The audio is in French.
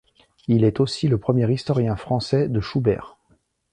Il est aussi le premier historien français de Schubert.